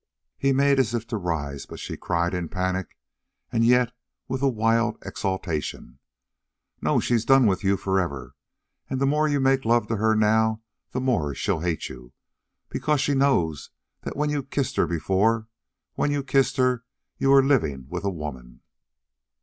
He made as if to rise, but she cried in a panic, and yet with a wild exultation: "No, she's done with you forever, and the more you make love to her now the more she'll hate you. Because she knows that when you kissed her before when you kissed her you were living with a woman."